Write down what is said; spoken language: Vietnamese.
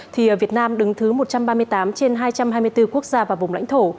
thì việt nam đứng thứ một trăm ba mươi tám trên hai trăm hai mươi bốn quốc gia và vùng lãnh thổ